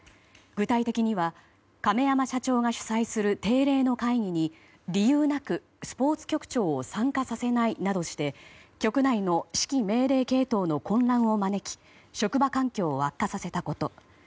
具体的には亀山社長が主催する定例の会議に理由なくスポーツ局長を参加させないなどして局内の指揮命令系統の混乱を招き職場環境を悪化させたこと。